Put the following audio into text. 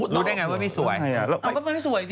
รู้ได้ยังไงว่าไม่สวย